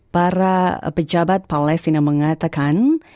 para pejabat palestina mengatakan